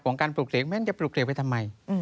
การปลูกเสกแม่นจะปลูกเสกไว้ทำไม